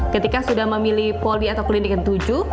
ketika sudah memilih poli atau klinik yang tujuh